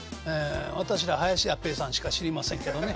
私は林家ペーさんしか知りませんけどね。